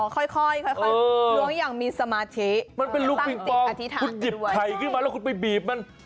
ค่อยล้วงอย่างมีสมาธิมันเป็นลูกปิงปองคุณหยิบไข่ขึ้นมาแล้วคุณไปบีบมัน